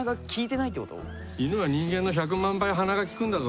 犬は人間の１００万倍鼻が利くんだぞ。